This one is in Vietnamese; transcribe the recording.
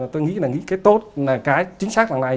tôi nghĩ là cái tốt là cái chính xác là này